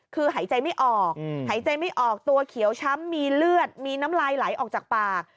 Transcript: คือหายใจไม่ออกหายใจไม่ออกตัวเขียวช้ำมีเลือดมีน้ำลายไหลออกจากปาก